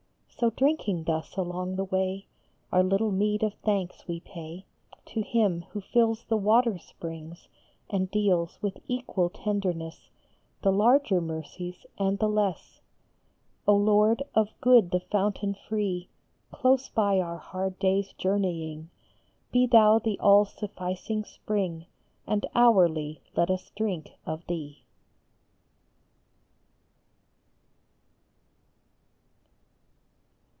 121 So drinking thus along the way, Our little meed of thanks we pay To Him who fills the water springs, And deals with equal tenderness The larger mercies and the less :" O Lord, of good the fountain free, Close by our hard day s journeying Be thou the all sufficing spring, And hourly let us drink of thee."